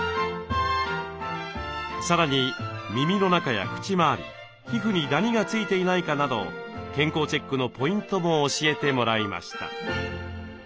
さらに耳の中や口周り皮膚にダニが付いていないかなど健康チェックのポイントも教えてもらいました。